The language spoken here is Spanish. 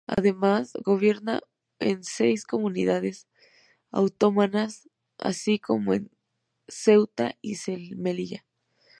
Además, gobierna en seis comunidades autónomas, así como en Ceuta y Melilla.